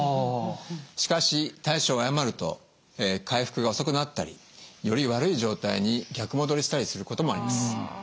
しかし対処を誤ると回復が遅くなったりより悪い状態に逆戻りしたりすることもあります。